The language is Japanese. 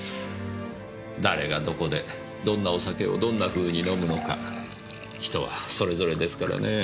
誰がどこでどんなお酒をどんなふうに飲むのか人はそれぞれですからねぇ。